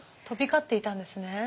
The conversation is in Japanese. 飛び交っていたんですね。